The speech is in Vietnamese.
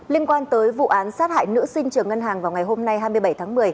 liên quan tới vụ án sát hại nữ sinh trường ngân hàng vào ngày hôm nay hai mươi bảy tháng một mươi